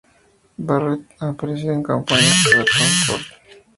Barrett ha aparecido en campañas para Tom Ford, Balmain, Versace, Moschino y Coach.